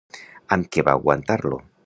Amb què va aguantar-lo?